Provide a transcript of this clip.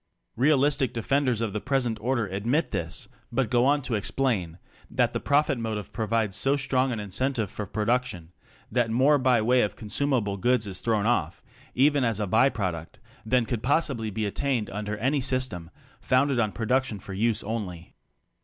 Realistic defenders of the present order admit this, but go on to explain that the pro fit motive provides so strong an incentive for production that more by way of consumable goods is thrown off — even as a by product — than could possibly be attained under any sys tem founded on production for use only.